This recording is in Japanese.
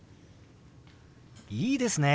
いいですね！